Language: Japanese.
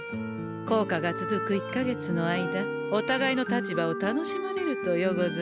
効果が続く１か月の間おたがいの立場を楽しまれるとようござんすねえ。